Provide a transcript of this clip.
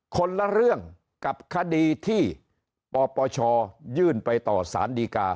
คนละเรื่องกับคดีที่ปปชยื่นไปต่อสารดีกา